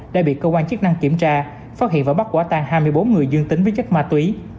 đã bị công an chức năng kiểm tra phát hiện và bắt quả tàn hai mươi bốn người dương tính với chất ma túy